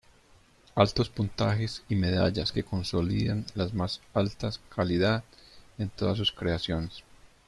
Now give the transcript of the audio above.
Altos puntajes y medallas que consolidan las más alta calidad en todas sus creaciones.